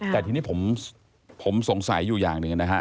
แต่ทีนี้ผมสงสัยอยู่อย่างหนึ่งนะฮะ